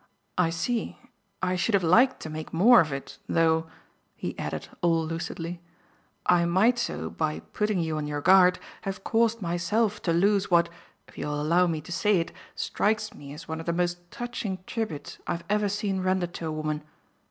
"I see I should have liked to make more of it; though," he added all lucidly, "I might so, by putting you on your guard, have caused myself to lose what, if you'll allow me to say it, strikes me as one of the most touching tributes I've ever seen rendered to a woman.